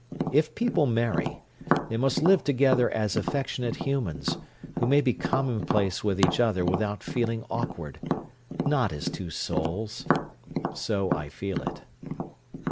If people marry, they must live together as affectionate humans, who may be commonplace with each other without feeling awkward—not as two souls. So I feel it.